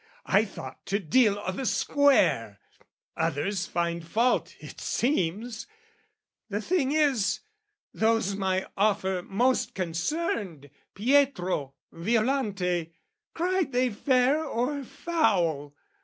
I thought To deal o' the square: others find fault, it seems: The thing is, those my offer most concerned, Pietro, Violante, cried they fair or foul?